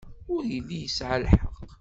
Ur yelli yesɛa lḥeqq.